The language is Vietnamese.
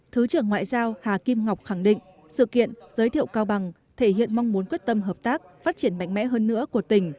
thứ trưởng ngoại giao hà kim ngọc khẳng định sự kiện giới thiệu cao bằng thể hiện mong muốn quyết tâm hợp tác phát triển mạnh mẽ hơn nữa của tỉnh